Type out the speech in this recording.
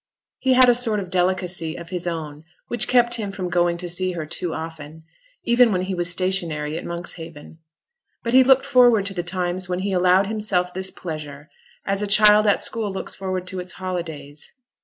He had a sort of delicacy of his own which kept him from going to see her too often, even when he was stationary at Monkshaven; but he looked forward to the times when he allowed himself this pleasure as a child at school looks forward to its holidays.